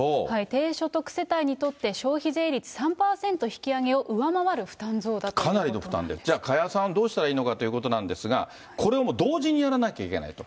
低所得世帯だと、消費税率３％引き上げを上回る負担増だとい加谷さん、どうしたらいいかということなんですが、これを同時にやらなきゃいけないと。